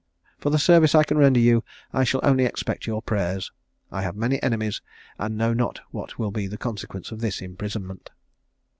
For the service I can render you I shall only expect your prayers. I have many enemies, and know not what will be the consequence of this imprisonment."